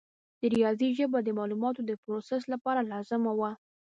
د ریاضي ژبه د معلوماتو د پروسس لپاره لازمه وه.